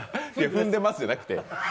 踏んでますじゃなくて。